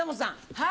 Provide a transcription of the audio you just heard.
はい。